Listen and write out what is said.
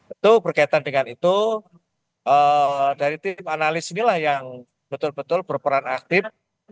itu berkaitan dengan itu dari tim analis inilah yang betul betul berperan aktif